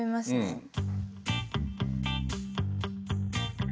うん。